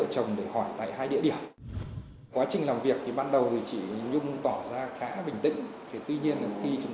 trong số những người bạn mà hvl đã gặp vào chiều chín tháng một mươi